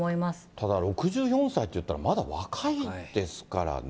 ただ６４歳っていったらまだ若いですからね。